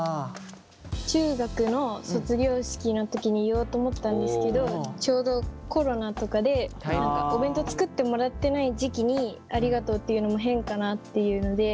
中学の卒業式の時に言おうと思ったんですけどちょうどコロナとかでお弁当作ってもらってない時期にありがとうって言うのも変かなっていうので。